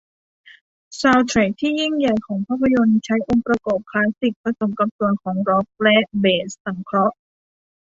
ซาวด์แทร็กที่ยิ่งใหญ่ของภาพยนตร์ใช้องค์ประกอบคลาสสิคผสมกับส่วนของร็อคและเบสสังเคราะห์